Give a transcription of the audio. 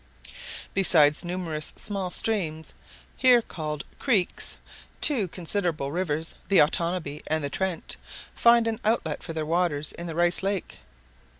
Besides numerous small streams, here called creeks, two considerable rivers, the Otanabee and the Trent, find an outlet for their waters in the Rice Lake.